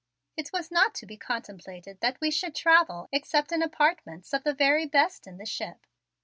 It was not to be contemplated that we should travel except in apartments of the very best in the ship.